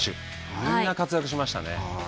みんな活躍しましたね。